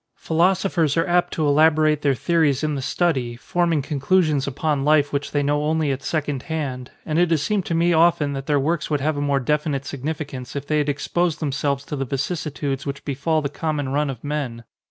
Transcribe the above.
Phi losophers are apt to elaborate their theories in the study, forming conclusions upon life which they know only at second hand, and it has seemed to me often that their works would have a more defi nite significance if they had exposed themselves to the vicissitudes which befall the common run of men.